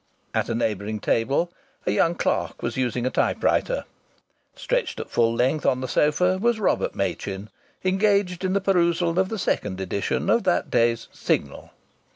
At a neighbouring table a young clerk was using a typewriter. Stretched at full length on the sofa was Robert Machin, engaged in the perusal of the second edition of that day's Signal.